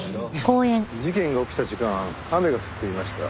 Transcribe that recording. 事件が起きた時間雨が降っていました。